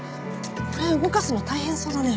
これ動かすの大変そうだね。